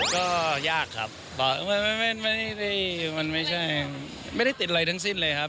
ก็ยากครับไม่ได้ติดอะไรทั้งสิ้นเลยครับ